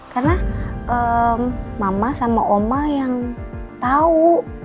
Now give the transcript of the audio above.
karena mama sama oma yang tahu